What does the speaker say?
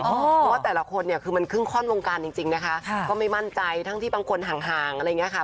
เพราะว่าแต่ละคนเนี่ยคือมันครึ่งข้อนวงการจริงนะคะก็ไม่มั่นใจทั้งที่บางคนห่างอะไรอย่างนี้ค่ะ